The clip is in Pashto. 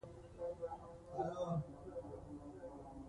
پرنګیان د غازيانو مقاومت مات نه کړ.